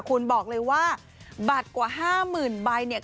คุณบอกเลยว่าบัตรกว่า๕๐๐๐ใบเนี่ย